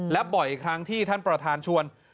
และบ่อยครั้งที่ท่านประธานชวน